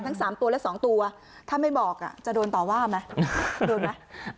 ทั้ง๓ตัวและ๒ตัวถ้าไม่บอกจะโดนต่อว่าไหมโดนไหม